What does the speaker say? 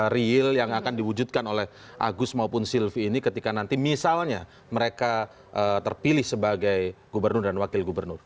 real yang akan diwujudkan oleh agus maupun silvi ini ketika nanti misalnya mereka terpilih sebagai gubernur dan wakil gubernur